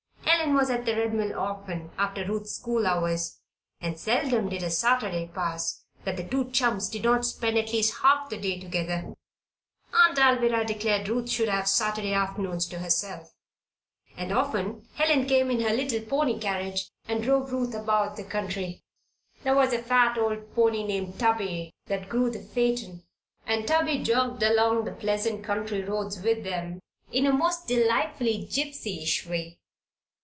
Helen was at the Red Mill often after Ruth's school hours, and seldom did a Saturday pass that the two chums did not spend at least half the day together. Aunt Alvirah declared Ruth should have Saturday afternoons to herself, and often Helen came in her little pony carriage and drove Ruth about the country. There was a fat old pony named Tubby that drew the phaeton, and Tubby jogged along the pleasant country roads with them in a most delightfully gypsyish way.